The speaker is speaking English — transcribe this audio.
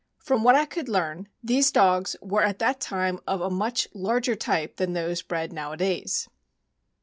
From what I could learn, these dogs were at that time of a much larger type than those bred nowadays.